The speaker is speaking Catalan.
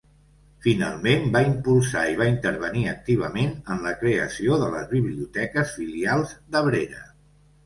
Finalment va impulsar i va intervenir activament en la creació de les biblioteques filials d'Abrera.